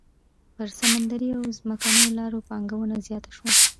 پر سمندري او ځمکنيو لارو پانګونه زیاته شوه.